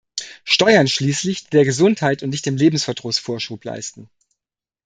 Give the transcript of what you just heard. Steuern schließlich, die der Gesundheit und nicht dem Lebensverdruss Vorschub leisten.